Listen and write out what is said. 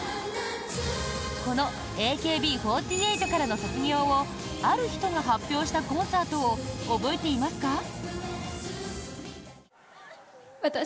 このＡＫＢ４８からの卒業をある人が発表したコンサートを覚えていますか？